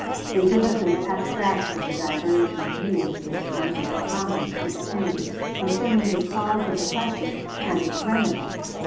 They give us an abstract of the divergent views which Members of Congress entertained concerning the cause of the crisis and its remedy.